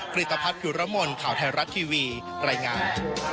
กริตภัพย์คิวระม่วลข่าวไทยรัตน์ทีวีรายงาน